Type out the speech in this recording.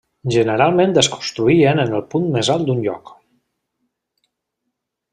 Generalment es construïen en el punt més alt d'un lloc.